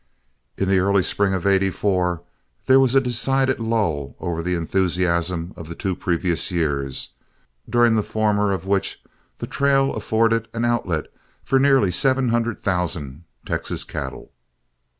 In the early spring of '84, there was a decided lull over the enthusiasm of the two previous years, during the former of which the trail afforded an outlet for nearly seven hundred thousand Texas cattle.